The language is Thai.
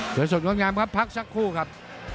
ส่วนสดงดงามครับพักสักครู่ครับ